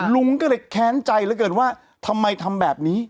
ลุงก็เลยแค้นใจเหลือเกินว่าทำไมทำแบบนี้